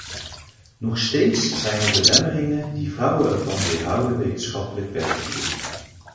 Nog steeds zijn er belemmeringen die vrouwen ervan weerhouden wetenschappelijk werk te doen.